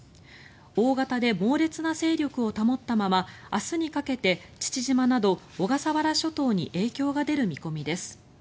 大型で猛烈な勢力を保ったまま明日にかけて父島など小笠原諸島に影響が出る見込みです。